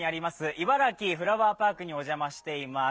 いばらきフラワーパークに来ています。